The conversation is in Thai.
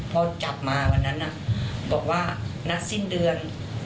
พอจับมาวันนั้นบอกว่านัดสิ้นเดือน